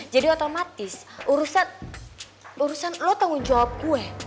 jadi otomatis urusan lo tanggung jawab gue